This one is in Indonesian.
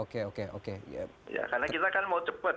karena kita kan mau cepat